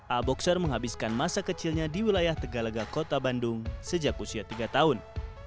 a boxer menghabiskan masa kecilnya di wilayah tegalega kota bandung sejak usia tiga tahun